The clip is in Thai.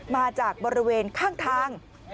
มาจากบริเวณข้างทาง